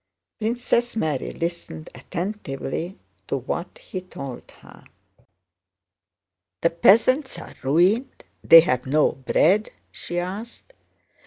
Princess Mary listened attentively to what he told her. "The peasants are ruined? They have no bread?" she asked.